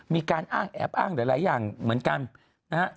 มีการอ้างแอบอ้างหลายอย่างเหมือนกันนะฮะ